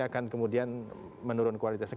akan kemudian menurun kualitasnya